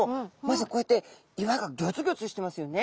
まずこうやって岩がギョつギョつしてますよね。